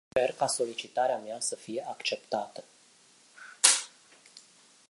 Sper ca solicitarea mea să fie acceptată.